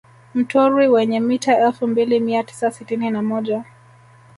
Mtorwi wenye mita elfu mbili mia tisa sitini na moja